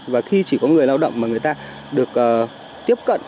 và khi chỉ có người lao động mà người ta được tiếp cận